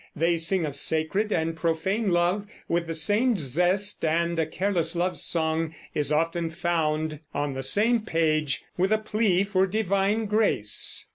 They sing of sacred and profane love with the same zest, and a careless love song is often found on the same page with a plea for divine grace.